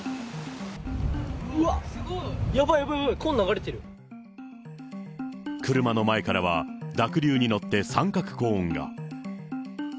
うわっ、やばい、やばい、車の前からは、濁流に乗って三角コーンが。